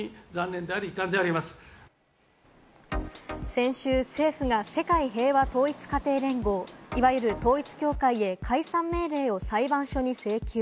先週、政府が世界平和統一家庭連合、いわゆる統一教会へ解散命令を裁判所に請求。